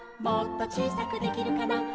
「もっとちいさくできるかな」